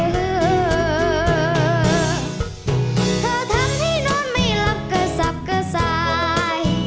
เธอทำให้นอนไม่หลับกระสับกระสาย